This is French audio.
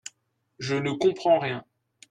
Je ne comprends rien.